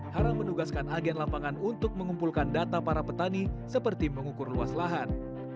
haram menugaskan agen lapangan untuk mengumpulkan data para petani seperti mengukur luas lahan